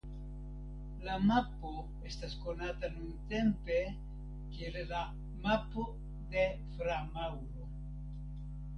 La mapo estas konata nuntempe kiel la "Mapo de Fra Mauro".